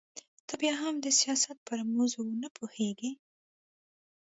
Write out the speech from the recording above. ته بيا هم د سياست په رموزو نه پوهېږې.